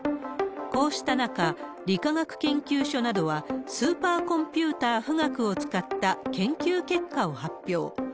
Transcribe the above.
こうした中、理化学研究所などは、スーパーコンピューター富岳を使った研究結果を発表。